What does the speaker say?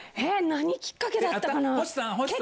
何きっかけだったかな。